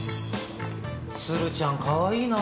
鶴ちゃんかわいいな。